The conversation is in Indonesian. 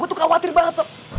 gue tuh khawatir banget sop